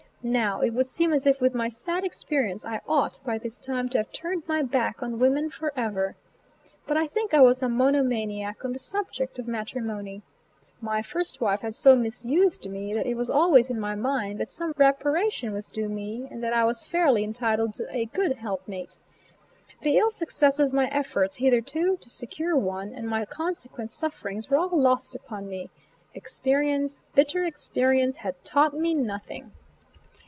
Now it would seem as if with my sad experience I ought by this time, to have turned my back on women forever. But I think I was a monomaniac on the subject of matrimony. My first wife had so misused me that it was always in my mind that some reparation was due me, and that I was fairly entitled to a good helpmate. The ill success of my efforts, hitherto, to secure one, and my consequent sufferings were all lost upon me experience, bitter experience, had taught me nothing.